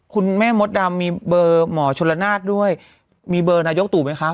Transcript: คุณแม่มดดำมีเบอร์หมอชนละนาดด้วยมีเบอร์นายกตู่ไหมคะ